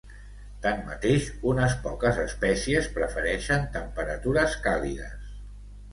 Tanmateix, unes poques espècies prefereixen temperatures càlides.